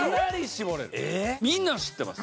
みんな知ってます。